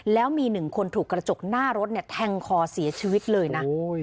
แล้วมีหนึ่งคนถูกกระจกหน้ารถแทงคอเสียชีวิตเลยนะ